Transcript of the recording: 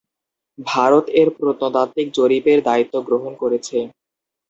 ভারত এর প্রত্নতাত্ত্বিক জরিপ এর দায়িত্ব গ্রহণ করেছে।